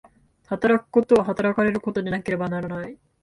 働くことは働かれることでなければならない。